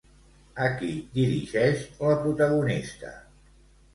A qui dirigeix la protagonista?